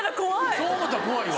そう思ったら怖いわ。